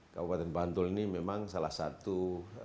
kabupaten bantul ini memang salah satu alasan yang sangat penting untuk kita